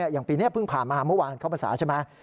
อย่างปีนี้เพิ่งผ่านมาเมื่อวานเข้าภาษาใช่ไหม